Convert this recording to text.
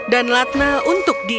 dan latna untuk dia